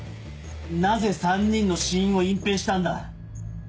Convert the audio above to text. なぜ３人の死因を隠蔽したんだ。